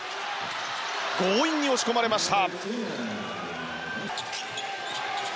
強引に押し込まれました。